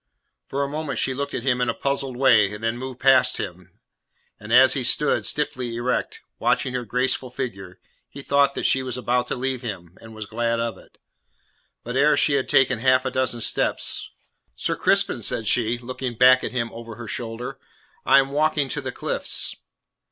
For a moment she looked at him in a puzzled way, then moved past him, and as he stood, stiffly erect, watching her graceful figure, he thought that she was about to leave him, and was glad of it. But ere she had taken half a dozen steps: "Sir Crispin," said she, looking back at him over her shoulder, "I am walking to the cliffs."